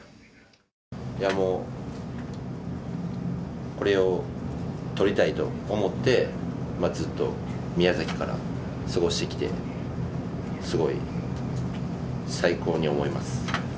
もう、これを取りたいと思って、ずっと宮崎から過ごしてきて、すごい最高に思います。